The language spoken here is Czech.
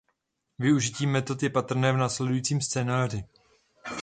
Využití metod je patrné v následujícím scénáři.